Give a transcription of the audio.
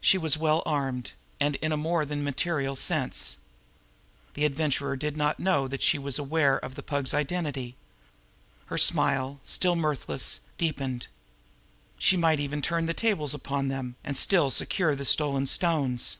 She was well armed and in more than a material sense. The Adventurer did not know that she was aware of the Pug's identity. Her smile, still mirthless, deepened. She might even turn the tables upon them, and still secure the stolen stones.